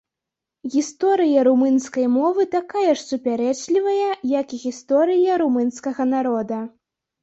Гісторыя румынскай мовы такая ж супярэчлівая, як і гісторыя румынскага народа.